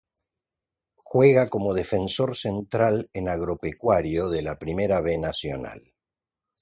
Juega como defensor central en Agropecuario de la Primera B Nacional.